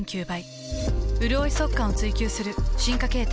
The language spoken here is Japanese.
うるおい速乾を追求する進化形態。